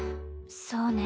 そうね。